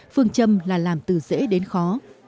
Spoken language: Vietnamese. phương châm là làm từ dễ đến khó